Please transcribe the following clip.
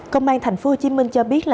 công an thành phố hồ chí minh cho biết